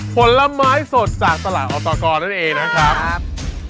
ผลไม้สดจากตลาดออตกรนั่นเองนะครับ